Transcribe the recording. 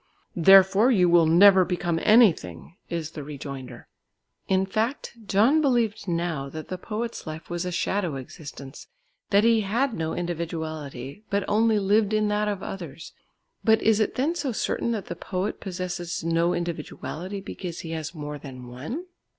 "Therefore you will never become anything," is the rejoinder. In fact, John believed now that the poet's life was a shadow existence, that he had no individuality, but only lived in that of others. But is it then so certain that the poet possesses no individuality because he has more than one?